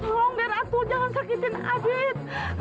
moong dia jangan sakitin adit